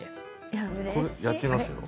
やってみますよ。